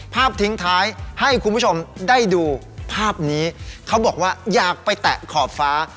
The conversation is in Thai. ทิ้งท้ายให้คุณผู้ชมได้ดูภาพนี้เขาบอกว่าอยากไปแตะขอบฟ้า